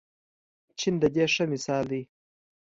چین د دې ښه مثال دی.